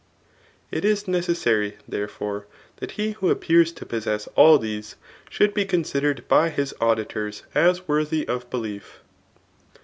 It is necessary, therefore, that he who appears to possess all these, should be conddered by his auditors as worthy of belief.